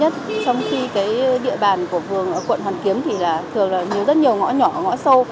trong khi địa bàn của phường ở quận hoàn kiếm thì thường là nhiều rất nhiều ngõ nhỏ ngõ sâu